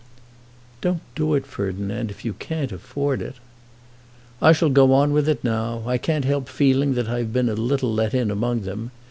"Don't do it, Ferdinand, if you can't afford it." "I shall go on with it now. I can't help feeling that I've been a little let in among them.